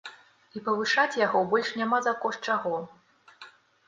І павышаць яго больш няма за кошт чаго.